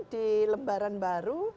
di lembaran baru